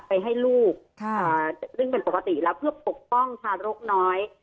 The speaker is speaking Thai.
ให้ลูกซึ่งเป็นปกติแล้วเพื่อปกป้องทารกน้อย